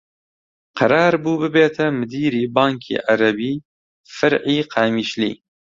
قەرار بوو ببێتە مدیری بانکی عەرەبی فەرعی قامیشلی